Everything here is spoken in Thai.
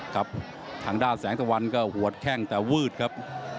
ครับทางด้านแสงตะวันก็หัวแข้งแต่วืดครับ